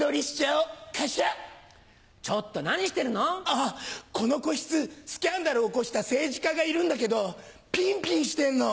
あっこの個室スキャンダルを起こした政治家がいるんだけどピンピンしてんの。